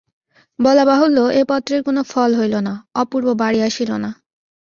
বলা বাহুল্য এ পত্রের কোনো ফল হইল না, অপূর্ব বাড়ি আসিল না।